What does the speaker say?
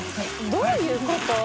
どういうこと？